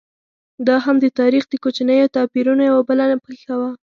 دا هم د تاریخ د کوچنیو توپیرونو یوه بله پېښه وه.